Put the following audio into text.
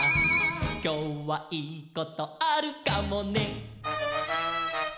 「きょうはいいことあるかもね」